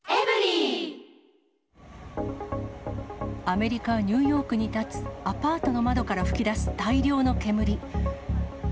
アメリカ・ニューヨークに建つアパートの窓から噴き出す大量の煙。